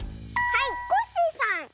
はいコッシーさん！